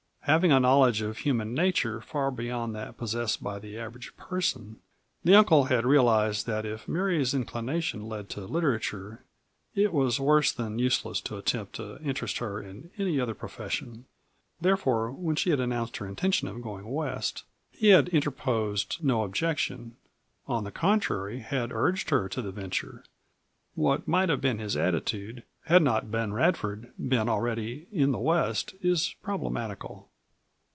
Having a knowledge of human nature far beyond that possessed by the average person, the uncle had realized that if Mary's inclination led to literature it was worse than useless to attempt to interest her in any other profession. Therefore, when she had announced her intention of going West he had interposed no objection; on the contrary had urged her to the venture. What might have been his attitude had not Ben Radford been already in the West is problematical.